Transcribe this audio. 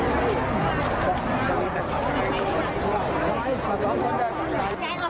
คนที่ไม่เข้าแถวจะไม่ได้นะครับ